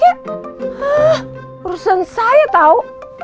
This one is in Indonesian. hah urusan saya tau